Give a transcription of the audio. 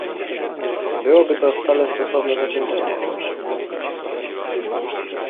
— Byłoby to wcale stosowne zakończenie! — odrzekłem z naciskiem.